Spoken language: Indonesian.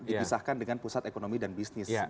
dipisahkan dengan pusat ekonomi dan bisnis